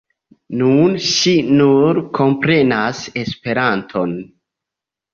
Nune ŝi nur komprenas Esperanton.